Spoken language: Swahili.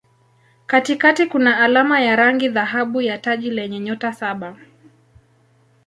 Katikati kuna alama ya rangi dhahabu ya taji lenye nyota saba.